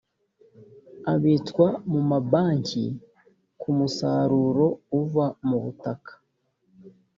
abitswa mu mabanki ku musaruro uva mubutaka